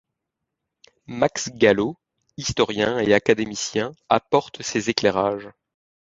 Max Gallo, historien et académicien, apporte ses éclairages.